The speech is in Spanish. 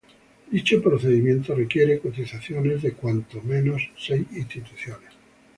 Dicho procedimiento requiere cotizaciones de cuando menos seis instituciones.